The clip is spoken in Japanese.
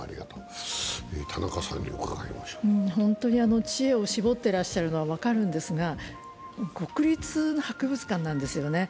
本当に知恵を絞ってらっしゃるのは分かるんですが、国立の博物館なんですよね。